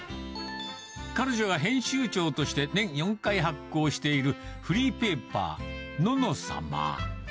彼女が編集長として、年４回発行している、フリーペーパー、ののさま。